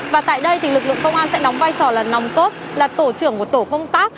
và tại đây thì lực lượng công an sẽ đóng vai trò là nòng cốt là tổ trưởng của tổ công tác